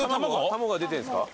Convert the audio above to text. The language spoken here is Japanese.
卵が出てるんですか？